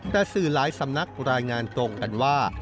แต่สื่อหลายสำนักรายงานตรงกันว่า